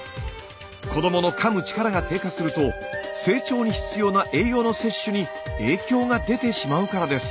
子どものかむ力が低下すると成長に必要な栄養の摂取に影響が出てしまうからです。